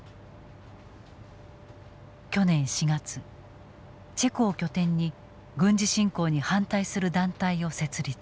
去年４月チェコを拠点に軍事侵攻に反対する団体を設立。